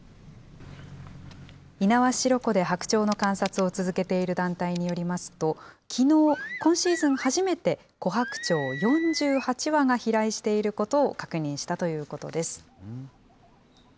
猪苗代湖で白鳥の観察を続けている団体によりますと、きのう、今シーズン初めてコハクチョウ４８羽が飛来していることを確認したということです。